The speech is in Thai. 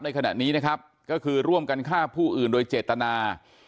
ในขณะนี้นะครับก็คือร่วมกันฆ่าผู้อื่นโดยเจตนา